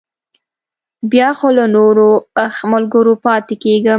بیا خو له نورو ملګرو پاتې کېږم.